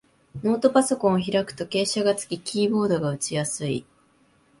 ノートパソコンを開くと傾斜がつき、キーボードが打ちやすい